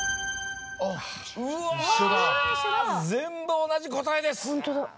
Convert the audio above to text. うわ全部同じ答えです。